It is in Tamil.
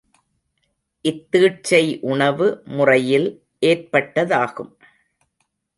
இத்தீட்சை உணவு முறையில் ஏற்பட்டதாகும்.